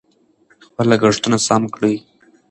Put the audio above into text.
خپل لګښتونه سم کړئ.